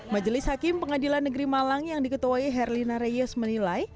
majelis hakim pengadilan negeri malang yang diketuai herlina reyes menilai